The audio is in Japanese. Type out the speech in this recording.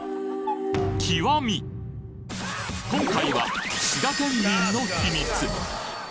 今回は滋賀県民のヒミツ